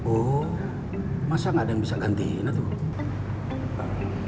oh masa nggak ada yang bisa gantiin ah tuh